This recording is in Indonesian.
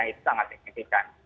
itu sangat signifikan